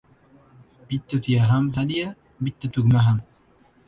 • Bitta tuya ham ― hadya, bitta tugma ham.